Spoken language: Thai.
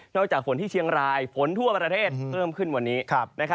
จากฝนที่เชียงรายฝนทั่วประเทศเพิ่มขึ้นวันนี้